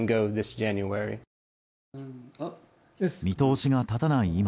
見通しが立たない